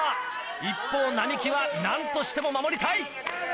一方並木は何としても守りたい。